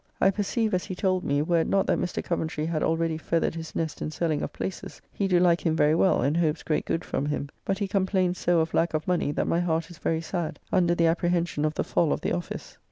I perceive, as he told me, were it not that Mr. Coventry had already feathered his nest in selling of places, he do like him very well, and hopes great good from him. But he complains so of lack of money, that my heart is very sad, under the apprehension of the fall of the office.